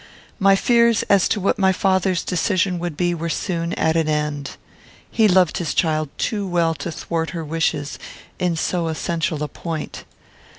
"My fears as to what my father's decision would be were soon at an end. He loved his child too well to thwart her wishes in so essential a point.